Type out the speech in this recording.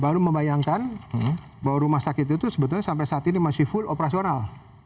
baru membayangkan bahwa rumah sakit itu sebetulnya sampai saat ini masih full operasional